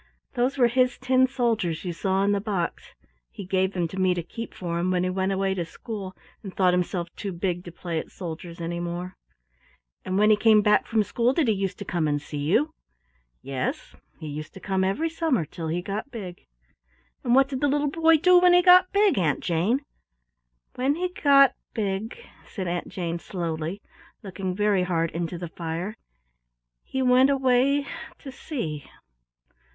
Those were his tin soldiers you saw in the box. He gave them to me to keep for him when he went away to school, and thought himself too big to play at soldiers any more." "And when he came back from school, did he used to come and see you?" "Yes, he used to come every summer till he got big." "And what did the little boy do when he got big, Aunt Jane?" "When he got big," said Aunt Jane slowly, looking very hard into the fire, "he went away to sea."